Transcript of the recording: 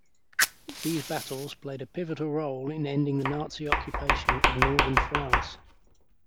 These battles played a pivotal role in ending the Nazi occupation of Northern France.